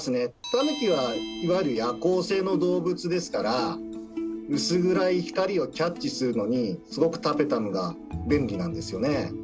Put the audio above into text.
タヌキはいわゆる夜行性の動物ですから薄暗い光をキャッチするのにすごくタペタムが便利なんですよね。